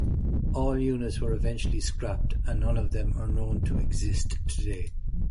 All units were eventually scrapped and none of them are known to exist today.